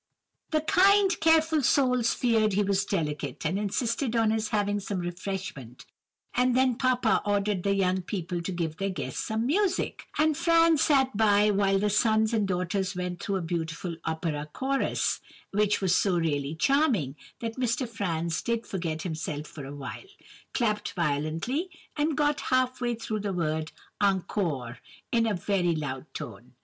"The kind, careful souls feared he was delicate, and insisted on his having some refreshment; and then papa ordered the young people to give their guest some music; and Franz sat by while the sons and daughters went through a beautiful opera chorus, which was so really charming, that Mr. Franz did forget himself for a minute, clapped violently, and got half way through the word 'encore' in a very loud tone.